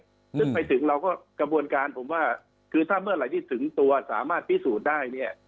ซึ่งไปถึงเราก็กระบวนการผมว่าคือถ้าเมื่อไหร่ที่ถึงตัวสามารถพิสูจน์ได้เนี่ย